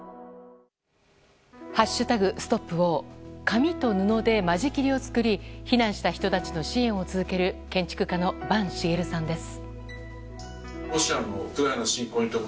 紙と布で間仕切りを作り避難した人たちの支援を続ける建築家の坂茂さんです。